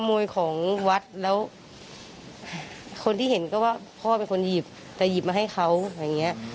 มวยของวัดแล้วคนที่เห็นก็ว่าพ่อเป็นคนหยิบแต่หยิบมาให้เขาอย่างเงี้ย